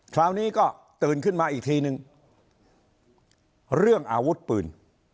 คราวนี้ก็ตื่นขึ้นมาอีกทีนึงเรื่องอาวุธปืน